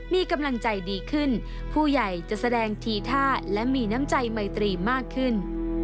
มีกำลังใจดีขึ้นผู้ใหญ่จะแสดงทีท่าและมีน้ำใจไมตรีมากขึ้น